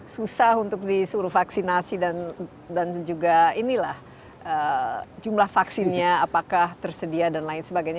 susah untuk disuruh vaksinasi dan juga inilah jumlah vaksinnya apakah tersedia dan lain sebagainya